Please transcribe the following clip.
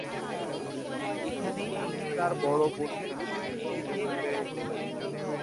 এখানেই তিনি তার বড়ো বোনের সাথে বেড়ে ওঠেন।